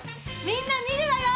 みんな見るわよ！